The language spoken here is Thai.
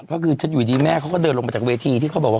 ก็คืออยู่ดีแม่เขาก็เดินลงมาจากเวทีที่เขาบอกว่า